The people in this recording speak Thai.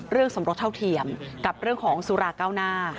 เรื่องสมรสเท่าเทียมกับเรื่องของสุรก้าวหน้า